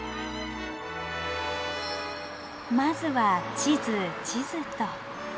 まずは地図地図っと。